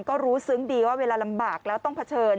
ก็รู้ซึ้งดีว่าเวลาลำบากแล้วต้องเผชิญ